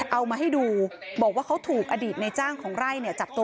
เอามาให้ดูบอกว่าเขาถูกอดีตในจ้างของไร่เนี่ยจับตัว